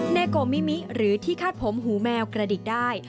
โกมิมิหรือที่คาดผมหูแมวกระดิกได้